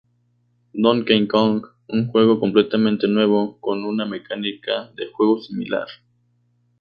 Donkey Kong, un juego completamente nuevo con una mecánica de juego similar.